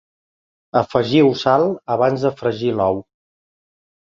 Afegiu sal abans de fregir l'ou.